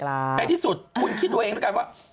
ในที่สุดคุณคิดตัวเองกันว่า